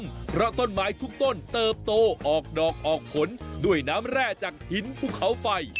เพราะต้นไม้ทุกต้นเติบโตออกดอกออกผลด้วยน้ำแร่จากหินภูเขาไฟ